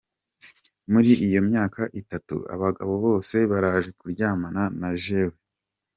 "Muri iyo myaka itatu, abagabo bose baraje kuryamana na jewe.